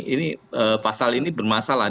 ini pasal ini bermasalah